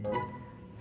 hidup yang cukup